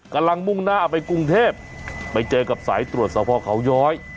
กำลังมุ่งหน้าไปกรุงเทพฯไปเจอกับสายตรวจเศร้าพ่อเขาย้อย